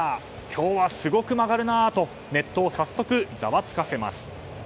今日はすごく曲がるなとネットを早速ざわつかせます。